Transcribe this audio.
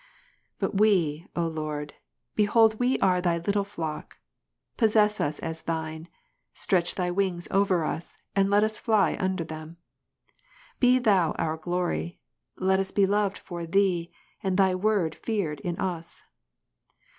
But we, O Lord, behold we are Thy little flock ; possess us as Thine, stretch Thy wings over us, and let us fly under them. Be Thou our glory; let us be loved for Thee, and Thy word feared in us.